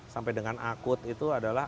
sampai dengan akut itu adalah